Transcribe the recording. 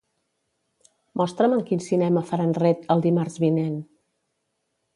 Mostra'm en quin cinema faran "Red" el dimarts vinent.